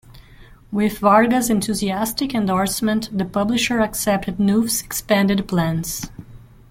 With Varga's enthusiastic endorsement, the publisher accepted Knuth's expanded plans.